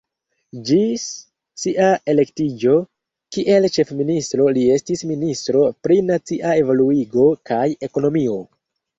Ĝis sia elektiĝo kiel ĉefministro li estis ministro pri nacia evoluigo kaj ekonomio.